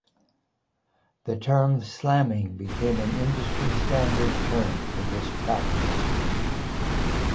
The term slamming became an industry standard term for this practice.